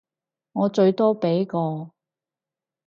我最多畀個